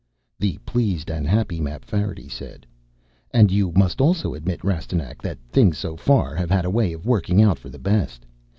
The pleased and happy Mapfarity said, "And you must also admit, Rastignac, that things so far have had a way of working out for the best.